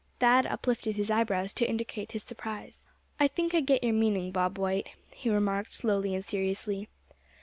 Thad uplifted his eyebrows to indicate his surprise. "I think I get your meaning, Bob White," he remarked, slowly and seriously.